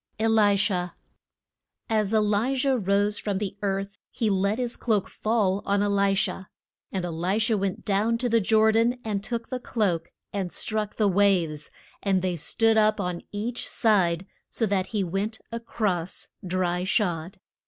ELISHA. AS E li jah rose from the earth he let his cloak fall on E li sha. And E li sha went down to the Jor dan, and took the cloak and struck the waves, and they stood up on each side, so that he went a cross dry shod.